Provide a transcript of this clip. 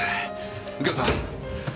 右京さん。